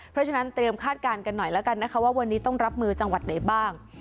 เพราะฉะนั้นเตรียมคาดการณ์กันหน่อยแล้วกันนะคะว่าวันนี้ต้องรับมือจังหวัดไหนบ้าง